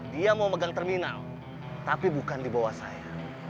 dia mau megang terminal tapi bukan di bawah saya